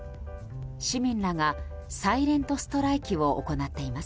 市民らがサイレント・ストライキを行っています。